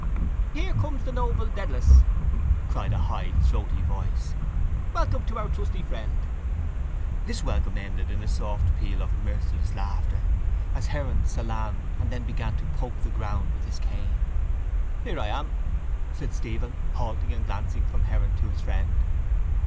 —Here comes the noble Dedalus! cried a high throaty voice. Welcome to our trusty friend! This welcome ended in a soft peal of mirthless laughter as Heron salaamed and then began to poke the ground with his cane. —Here I am, said Stephen, halting and glancing from Heron to his friend.